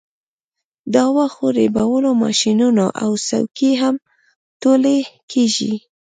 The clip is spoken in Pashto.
د واښو ریبلو ماشینونه او څوکۍ هم ټولې کیږي